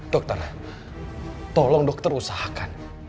dokter tolong dokter usahakan